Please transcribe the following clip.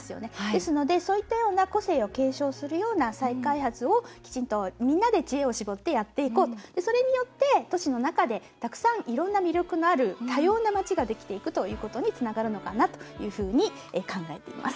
ですので、そういったような個性を継承するような再開発をきちんと、みんなで知恵を絞ってやっていこうそれによって都市の中でたくさん、いろんな魅力のある多様な街ができていくということにつながるかなというふうに考えています。